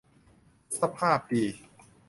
สภาพดี